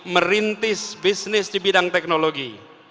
merintis bisnis di bidang teknologi